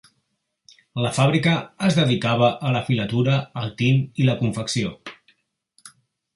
La fàbrica es dedicava a la filatura, el tint i la confecció.